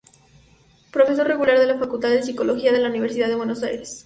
Profesor regular de la Facultad de Psicología de la Universidad de Buenos Aires.